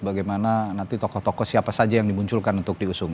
bagaimana nanti tokoh tokoh siapa saja yang dimunculkan untuk diusung